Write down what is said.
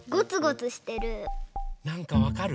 なんかわかる？